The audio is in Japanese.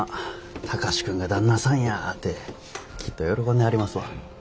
貴司君が旦那さんやってきっと喜んではりますわ。